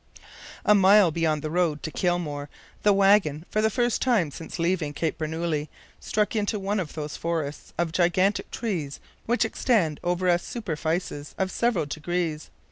A mile beyond the road to Kilmore, the wagon, for the first time since leaving Cape Bernouilli, struck into one of those forests of gigantic trees which extend over a super fices of several degrees.